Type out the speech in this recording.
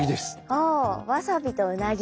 ああわさびとうなぎ。